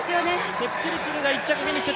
チェプチルチルが１着でフィニッシュ。